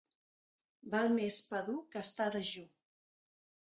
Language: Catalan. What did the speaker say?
Val més pa dur que estar dejú.